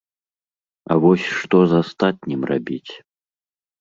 А вось што з астатнім рабіць?